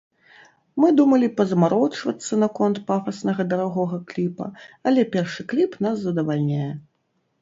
Мы думалі пазамарочвацца наконт пафаснага дарагога кліпа, але першы кліп нас задавальняе.